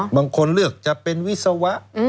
บางคนเลือกจะเป็นวิศวะ